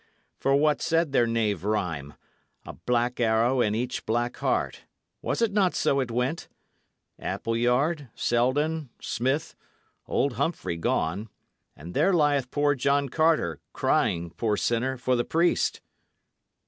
For what said their knave rhyme? 'A black arrow in each black heart.' Was it not so it went? Appleyard, Selden, Smith, old Humphrey gone; and there lieth poor John Carter, crying, poor sinner, for the priest."